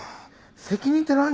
責任って何？